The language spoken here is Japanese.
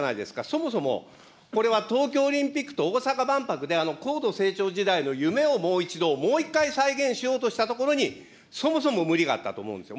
そもそも、これは東京オリンピックと大阪万博で、高度成長時代の夢をもう一度をもう一回再現しようとしたところに、そもそも無理があったと思うんですよ。